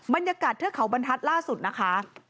บรรยากาศเทือดเขาบรรทัศน์ล่าสุดนะคะ